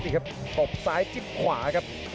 ตบซ้ายจิบขวาครับ